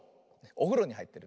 おふろにはいってる。